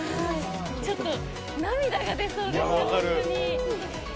ちょっと涙が出そうですね、本当に。